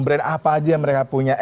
brand apa aja yang mereka punya